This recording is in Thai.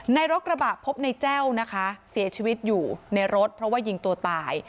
ในรถกระบะพบในแจ้วนะคะเสียชีวิตอยู่ในรถเพราะว่ายิงตัวตาย